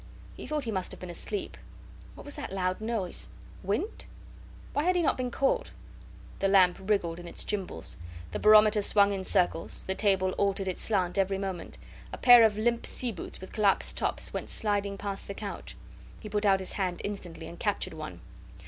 He thought he must have been asleep. What was that loud noise? Wind? Why had he not been called? The lamp wriggled in its gimbals, the barometer swung in circles, the table altered its slant every moment; a pair of limp sea boots with collapsed tops went sliding past the couch. He put out his hand instantly, and captured one.